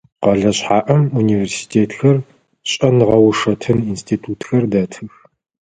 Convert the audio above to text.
Къэлэ шъхьаӏэм университетхэр, шӏэныгъэ-ушэтын институтхэр дэтых.